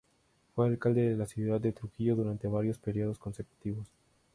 Fue alcalde de la ciudad de Trujillo durante varios períodos consecutivos.